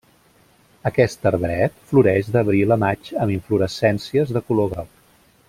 Aquest arbret floreix d'abril a maig amb inflorescències de color groc.